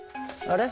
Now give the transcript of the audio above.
あれ？